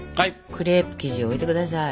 クレープ生地を置いて下さい。